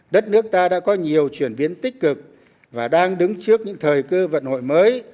đất nước ta đã có nhiều chuyển biến tích cực và đang đứng trước những thời cơ vận hội mới